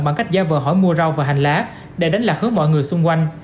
bằng cách da vờ hỏi mua rau và hành lá để đánh lạc hướng mọi người xung quanh